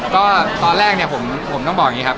ก็ตอนแรกเนี่ยผมต้องบอกอย่างนี้ครับ